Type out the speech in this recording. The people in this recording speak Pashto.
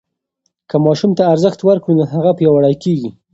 که ماشوم ته ارزښت ورکړو نو هغه پیاوړی کېږي.